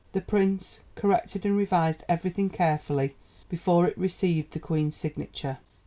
The Prince corrected and revised everything carefully before it received the Queen's signature.